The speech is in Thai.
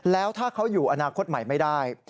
แล้วถ้าเขาอยู่อนาคตใหม่ไม่ได้